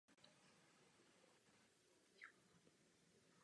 Po její smrti již císaře žádná smutná zpráva takto nezasáhla.